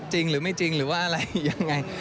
จริงหรือไม่จริงหรือว่าอะไรยังไง